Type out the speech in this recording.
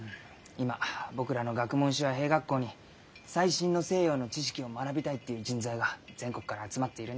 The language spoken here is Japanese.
今僕らの学問所や兵学校に最新の西洋の知識を学びたいという人材が全国から集まっているんです。